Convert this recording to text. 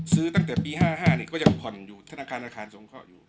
ซื้อตั้งแต่ปีห้าห้าเนี้ยก็ยังผ่อนอยู่ธนาคารธนาคารสงข้ออยู่